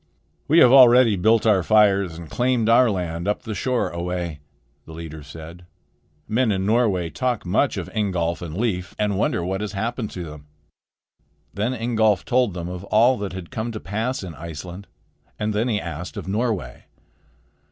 "We have already built our fires and claimed our land up the shore a way," the leader said. "Men in Norway talk much of Ingolf and Leif, and wonder what has happened to them." Then Ingolf told them of all that had come to pass in Iceland; and then he asked of Norway.